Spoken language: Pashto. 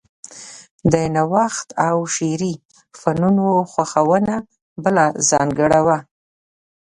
د نوښت او شعري فنونو خوښونه بله ځانګړنه وه